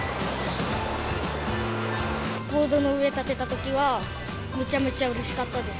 ボードの上、立てたときはめちゃめちゃうれしかったです。